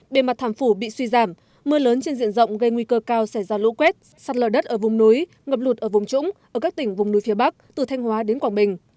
bề mặt thảm phủ bị suy giảm mưa lớn trên diện rộng gây nguy cơ cao xảy ra lũ quét sạt lở đất ở vùng núi ngập lụt ở vùng trũng ở các tỉnh vùng núi phía bắc từ thanh hóa đến quảng bình